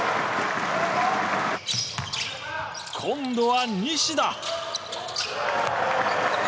今度は西田。